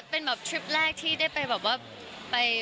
เป็นแบบทริปแรกที่ได้ไป